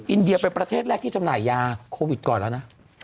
อินเดียเป็นประเทศแรกที่จำหน่ายยาโควิดก่อนแล้วนะ